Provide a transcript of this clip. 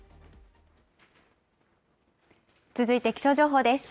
続いて気象情報です。